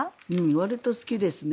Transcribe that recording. わりと好きですね。